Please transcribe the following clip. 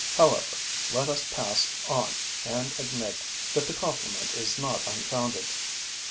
However, let us pass on and admit that the compliment is not unfounded.